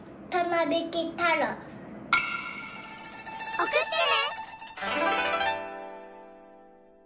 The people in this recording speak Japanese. おくってね！